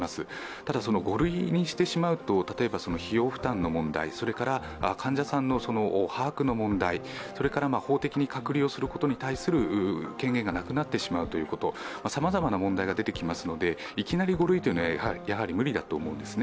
ただ、５類にしてしまうと費用負担の問題、患者さんの把握の問題、法的に隔離をすることに対する権限がなくなってしまうことさまざまな問題が出てきますので、いきなり５類というのはやはり無理だと思うんですね。